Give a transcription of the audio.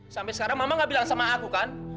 sampai sekarang mama gak bilang sama aku kan